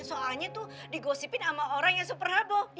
soalnya itu digosipin sama orang yang super haboh